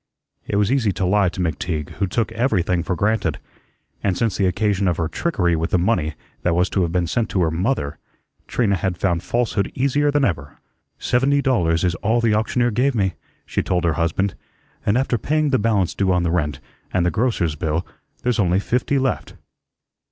It was easy to lie to McTeague, who took everything for granted; and since the occasion of her trickery with the money that was to have been sent to her mother, Trina had found falsehood easier than ever. "Seventy dollars is all the auctioneer gave me," she told her husband; "and after paying the balance due on the rent, and the grocer's bill, there's only fifty left."